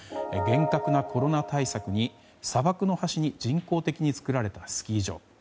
厳格なコロナ対策に砂漠の端に人工的に作られたスキー場。